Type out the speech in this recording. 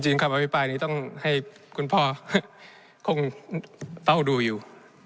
คำอภิปรายนี้ต้องให้คุณพ่อคงเฝ้าดูอยู่